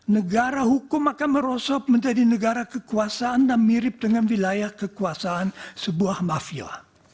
negara hukum akan merosot menjadi negara kekuasaan dan mirip dengan wilayah kekuasaan sebuah mafia